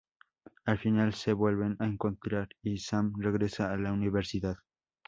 Al final se vuelven a encontrar, y Sam regresa a la Universidad.